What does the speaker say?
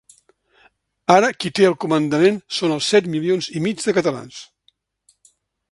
Ara qui té el comandament són els set milions i mig de catalans.